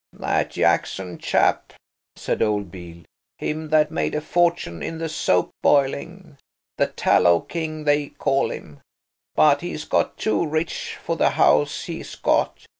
"That Jackson chap," said old Beale, "him that made a fortune in the soap boiling. The Tallow King, they call him. But he's got too rich for the house he's got.